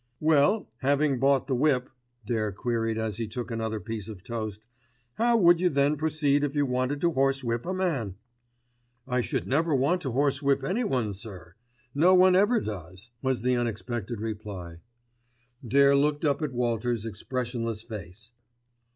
"Well, having bought the whip," Dare queried as he took another piece of toast, "how would you then proceed if you wanted to horsewhip a man?" "I should never want to horsewhip anyone, sir. No one ever does," was the unexpected reply. Dare looked up at Walters' expressionless face.